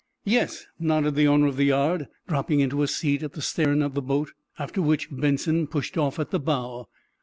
"Yes," nodded the owner of the yard, dropping into a seat at the stern of the boat, after which Benson pushed off at the bow.